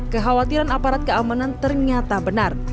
kekhawatiran aparat keamanan ternyata benar